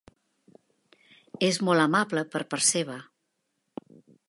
És molt amable per part seva!